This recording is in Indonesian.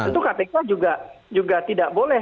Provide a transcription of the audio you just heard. tentu kpk juga tidak boleh